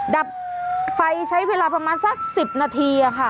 ดับไฟใช้เวลาประมาณสัก๑๐นาทีค่ะ